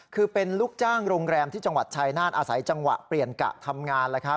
คือเป็นลูกจ้างโรงแรมที่จังหวัดชายนาฏอาศัยจังหวะเปลี่ยนกะทำงาน